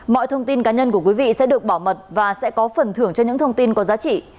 mọi thông tin cá nhân của quý vị sẽ được bảo mật và sẽ có phần thưởng cho những thông tin có giá trị